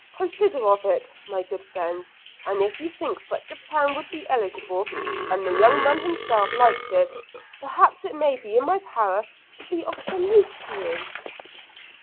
Consider of it, my good friend; and if you think such a plan would be eligible, and the young man himself likes it, perhaps it may be in my power to be of some use to you.'